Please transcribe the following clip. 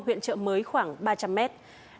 huyện chợ mới khoảng ba trăm linh mét